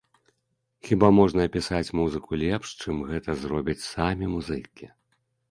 Хіба можна апісаць музыку лепш, чым гэта зробяць самі музыкі?